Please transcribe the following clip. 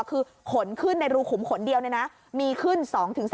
คือขนขึ้นในรูขุมขนเดียวมีขึ้น๒๓